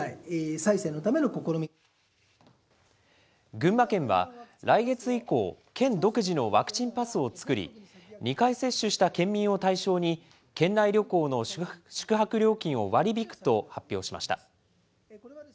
群馬県は、来月以降、県独自のワクチンパスを作り、２回接種した県民を対象に、県内旅行の宿泊料金を割り引くと発表しました。